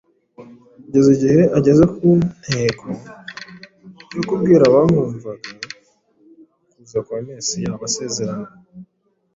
kugeza igihe ageze ku ntego yo kubwira abamwumvaga ukuza kwa Mesiya wasezeranwe.